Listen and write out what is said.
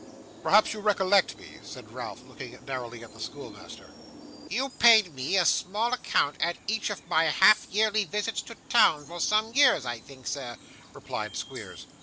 'Perhaps you recollect me?' said Ralph, looking narrowly at the schoolmaster. 'You paid me a small account at each of my half yearly visits to town, for some years, I think, sir,' replied Squeers.